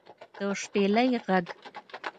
د شپېلۍ غږ